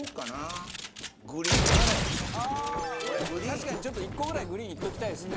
確かにちょっと１個ぐらいグリーンいっときたいですね。